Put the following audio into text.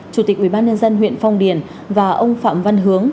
chủ tịch ubnd huyện phong điền và ông phạm văn hướng